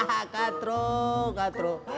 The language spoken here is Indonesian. hahaha kak tro kak tro